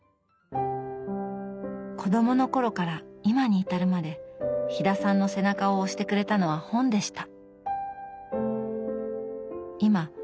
子供の頃から今に至るまで飛田さんの背中を押してくれたのは本でした。